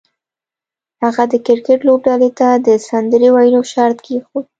هغه د کرکټ لوبډلې ته د سندرې ویلو شرط کېښود